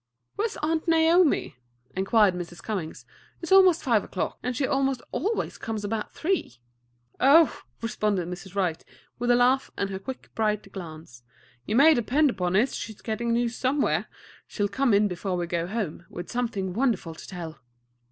"Where 's Aunt Naomi?" inquired Mrs. Cummings. "It's 'most five o'clock, and she almost always comes about three." "Oh," responded Mrs. Wright, with a laugh and her quick, bright glance, "you may depend upon it she's getting news somewhere. She'll come in before we go home, with something wonderful to tell."